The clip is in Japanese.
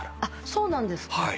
そうなんですか。